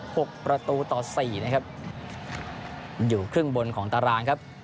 หกประตูต่อสี่นะครับอยู่ครึ่งบนของตารางครับ